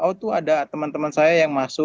oh tuh ada teman teman saya yang masuk